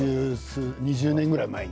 ２０年くらい前に。